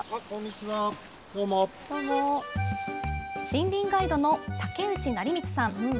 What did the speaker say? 森林ガイドの竹内成光さん